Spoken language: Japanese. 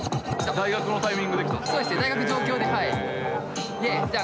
大学のタイミングで来たんですか？